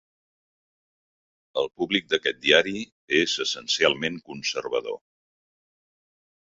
El públic d'aquest diari és essencialment conservador.